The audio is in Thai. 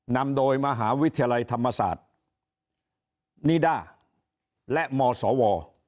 นำโดยมหาวิทยาลัยธรรมศาสตร์นิด้าและมศว